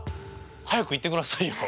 早く言ってくださいよ。